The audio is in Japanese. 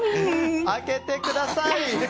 開けてください！